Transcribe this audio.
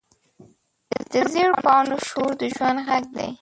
د زېړ پاڼو شور د ژوند غږ دی